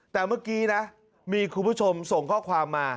แต่เมื่อกี้นะมีคุณผู้ชมส่งข้อความมา